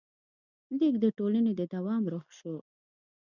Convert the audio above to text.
لیک د ټولنې د دوام روح شو.